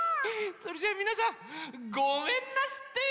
それじゃあみなさんごめんなすって。